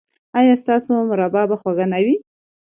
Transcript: ایا ستاسو مربا به خوږه نه وي؟